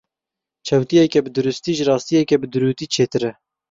Çewtiyeke bi duristî, ji rastiyeke bi durûtî çêtir e.